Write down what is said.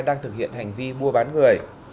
đang thực hiện hành vi mua bán người